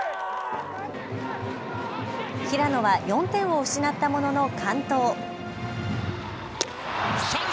平野は４点を失ったものの完投。